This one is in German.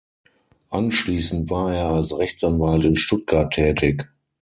Anschließend war er als Rechtsanwalt in Stuttgart tätig.